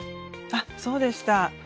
あっそうでした。